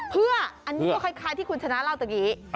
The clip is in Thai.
เพื่ออันนี้ก็คล้ายที่คุณชนะเล่าตะกี้